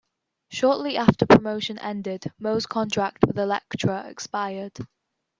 Shortly after promotion ended, Mo's contract with Elektra expired.